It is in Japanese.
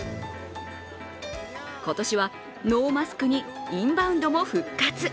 今年はノーマスクにインバウンドも復活。